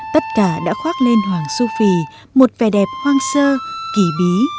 tất cả đã khoác lên hoàng su phi một vẻ đẹp hoang sơ kỳ bí